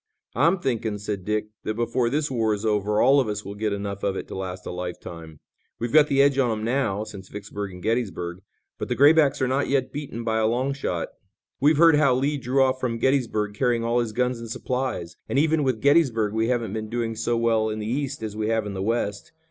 "I'm thinking," said Dick, "that before this war is over all of us will get enough of it to last a lifetime. We've got the edge on 'em now, since Vicksburg and Gettysburg, but the Graybacks are not yet beaten by a long shot. We've heard how Lee drew off from Gettysburg carrying all his guns and supplies, and even with Gettysburg we haven't been doing so well in the East as we have in the West.